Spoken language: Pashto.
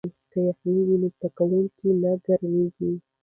که یخنۍ وي نو زده کوونکی نه ګرمیږي.